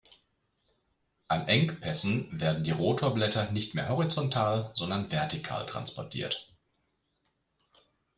An Engpässen werden die Rotorblätter nicht mehr horizontal, sondern vertikal transportiert.